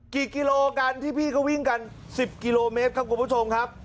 กิโลกันที่พี่ก็วิ่งกัน๑๐กิโลเมตรครับคุณผู้ชมครับ